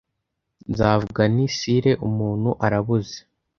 nzavuga nti sire umuntu arabuze